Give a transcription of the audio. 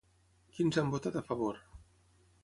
Quins han votat a favor?